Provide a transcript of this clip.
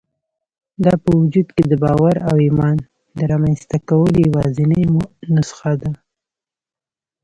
دا په وجود کې د باور او ايمان د رامنځته کولو يوازېنۍ نسخه ده.